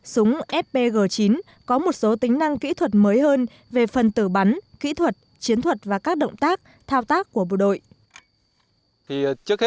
súng fpg chín có một số tính năng kỹ thuật mới hơn về phần tử bắn kỹ thuật chiến thuật và các động tác thao tác của bộ đội